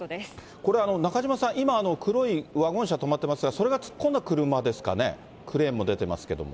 これ、なかじまさん、今、黒いワゴン車止まってますが、それが突っ込んだ車ですかね、クレーンも出ていますけれども。